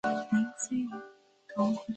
时人不能推测他的为人。